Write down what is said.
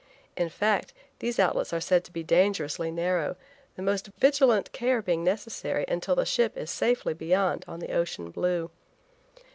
In fact, these outlets are said to be dangerously narrow, the most vigilant care being necessary until the ship is safely beyond on the ocean blue.